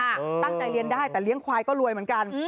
ตั้งใจเรียนได้แต่เลี้ยงควายก็รวยเหมือนกัน